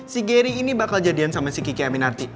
si gery ini bakal jadian sama si kiki aminarti